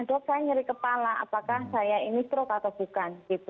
dok saya nyeri kepala apakah saya ini stroke atau bukan